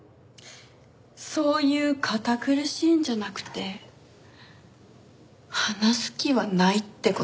そういう堅苦しいんじゃなくて話す気はないって事。